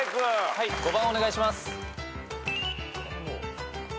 はい５番お願いします。